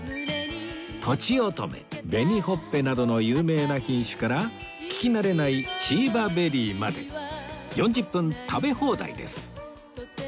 とちおとめ紅ほっぺなどの有名な品種から聞き慣れないチーバベリーまで４０分食べ放題です